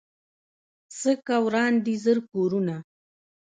څه که وران دي زر کورونه